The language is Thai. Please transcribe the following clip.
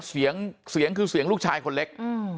เสียงเสียงคือเสียงลูกชายคนเล็ก